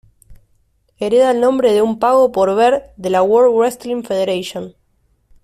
Hereda el nombre de un pago-por-ver de la World Wrestling Federation.